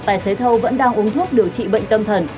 tài xế thâu vẫn đang uống thuốc điều trị bệnh tâm thần